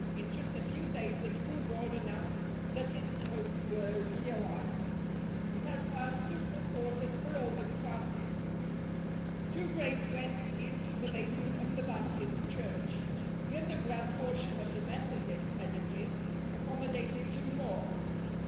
In just a few days the School Board announced that its hopes were realized. It had found "suitable quarters" for all the classes. Two grades went into the basement of the Baptist Church. The underground portion of the Methodist edifice accommodated two more.